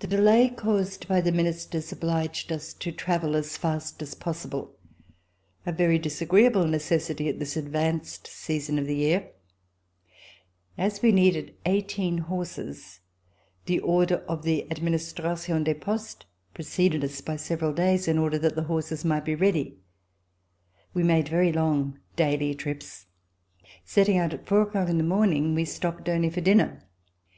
The delay caused by the Ministers obliged us to travel as fast as possible — a very disagreeable ne cessity at this advanced season of the year. As we needed eighteen horses, the order of the Administra tion des Pastes preceded us by several days, in order that the horses might be ready. We made very long daily trips. Setting out at four o'clock in the morn ing, we stopped only for dinner.